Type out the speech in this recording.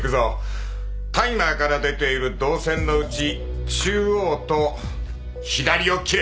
タイマーから出ている導線のうち中央と左を切れ。